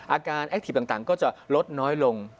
อาการแอคทิฟต์ต่างก็จะลดน้อยลงนะครับ